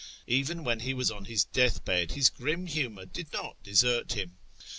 Even when he was on his death bed his grim humour did not desert him.